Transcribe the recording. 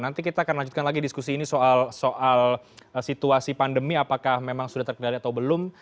nanti kita akan lanjutkan lagi diskusi ini soal situasi pandemi apakah memang sudah terkendali atau belum